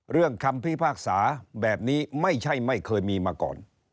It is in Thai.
คำพิพากษาแบบนี้ไม่ใช่ไม่เคยมีมาก่อน